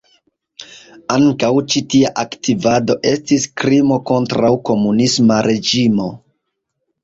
Ankaŭ ĉi tia aktivado estis krimo kontraŭ komunisma reĝimo.